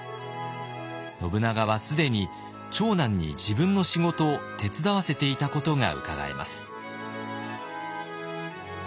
信長は既に長男に自分の仕事を手伝わせていたことがうかがえます。